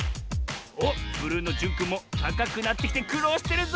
おっブルーのじゅんくんもたかくなってきてくろうしてるぞ！